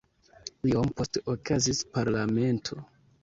Iom poste okazis parlamento.